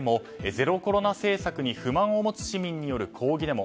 ゼロコロナ政策に不満を持つ市民による抗議デモ。